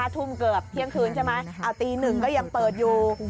ทุ่มเกือบเที่ยงคืนใช่ไหมเอาตี๑ก็ยังเปิดอยู่